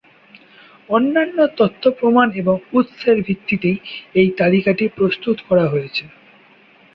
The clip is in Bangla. অন্যান্য তথ্য-প্রমাণ এবং উৎসের ভিত্তিতেই এই তালিকাটি প্রস্তুত করা হয়েছে।